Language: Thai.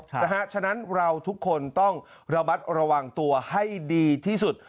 เพราะฉะนั้นเราทุกคนต้องระมัดระวังตัวให้ดีที่สุด